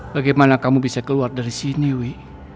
bagaimana kamu bisa keluar dari sini wi